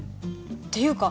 ていうか